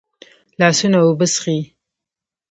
لاسونه اوبه څښي